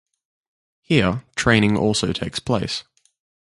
Here training also takes place.